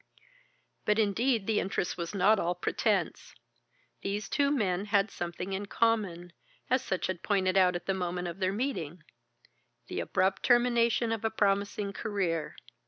But indeed the interest was not all pretence. These two men had something in common, as Sutch had pointed out at the moment of their meeting the abrupt termination of a promising career.